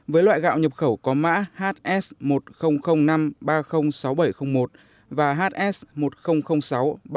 với loại gạo nhập khẩu có mã hs một nghìn năm ba trăm linh sáu nghìn bảy trăm linh một và hs một nghìn sáu ba trăm linh chín nghìn tám trăm linh một